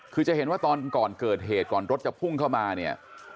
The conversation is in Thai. คือจะเห็นว่าตอนก่อนเกิดเหตุก่อนรถจะพุ่งเข้ามาเนี่ย